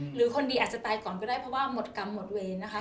หรือคนดีอาจจะตายก่อนก็ได้เพราะว่าหมดกรรมหมดเวรนะคะ